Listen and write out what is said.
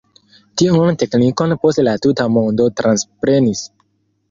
Tiun teknikon poste la tuta mondo transprenis.